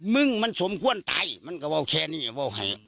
มึงมันสมควรตายมันก็ว่าแค่นี้ว่าวให้